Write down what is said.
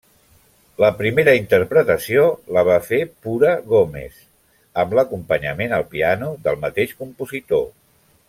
La primera interpretació la va fer Pura Gómez amb l'acompanyament al piano del mateix compositor.